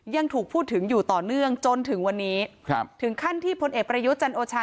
ยังถูกพูดถึงอยู่ต่อเนื่องจนถึงวันนี้ครับถึงขั้นที่พลเอกประยุทธ์จันโอชา